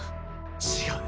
違う。